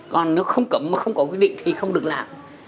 còn nếu không cấm mà không có quy định thì không được làm